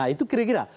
nah itu kira kira